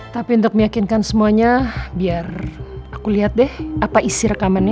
tapi untuk meyakinkan semuanya biar aku lihat deh apa isi rekamannya